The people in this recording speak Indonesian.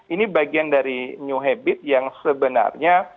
ini bagian dari new habit yang sebenarnya